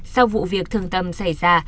sau vụ việc thường tâm xảy ra